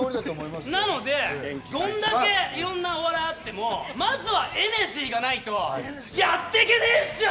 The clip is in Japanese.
なので、どんだけいろんなお笑いがあっても、まずはエナジーがないとやってけねえっすよ！